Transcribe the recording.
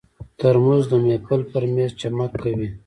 ترموز د محفل پر مېز چمک کوي.